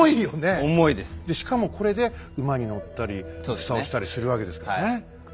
でしかもこれで馬に乗ったり戦をしたりするわけですからね。